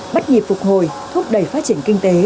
bắt nhịp phục hồi thúc đẩy phát triển kinh tế